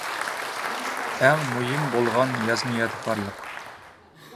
ئەڭ مۇھىم بولغان يازما يادىكارلىق.